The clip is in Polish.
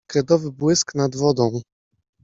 Kredowy błysk nad wodą.